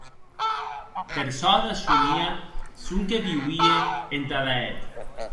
Per çò de Sonia, sonque viuie entada eth.